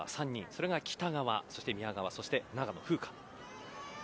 それが北川そして宮川そして長野風花。